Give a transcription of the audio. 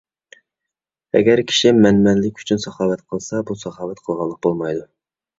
ئەگەر كىشى مەنمەنلىك ئۈچۈن ساخاۋەت قىلسا، بۇ ساخاۋەت قىلغانلىق بولمايدۇ.